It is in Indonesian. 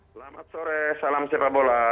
selamat sore salam sepak bola